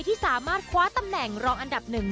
ที่สามารถคว้าตำแหน่งรองอันดับหนึ่ง